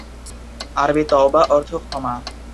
আরবি "তওবা" অর্থ ক্ষমা।